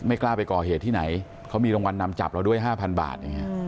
ไม่กล้าไปก่อเหตุที่ไหนเขามีรางวัลนำจับเราด้วย๕๐๐๐บาท